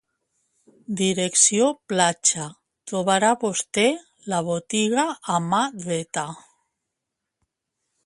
Direcció platja trobarà vosté la botiga a mà dreta